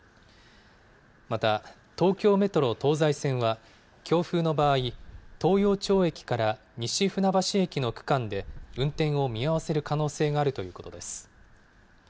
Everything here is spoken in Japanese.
また、東京メトロ東西線は、強風の場合、東陽町駅から西船橋駅の区間で運転を見合わせる可能性があるということです。